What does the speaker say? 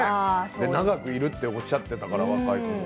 で長くいるっておっしゃってたから若い子も。